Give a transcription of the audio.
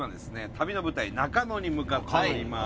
旅の舞台中野に向かっております。